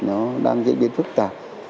nó đang diễn biến phức tạp